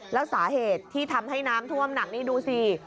แล้วสาเหตุที่ทำให้น้ำท่วมหนักนี่ดูสิ